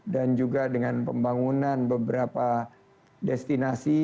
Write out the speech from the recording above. dan juga dengan pembangunan beberapa destinasi